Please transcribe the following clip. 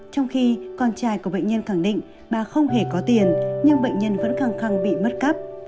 trong khi con trai của bệnh nhân khẳng định bà không hề có tiền nhưng bệnh nhân vẫn căng bị mất cắp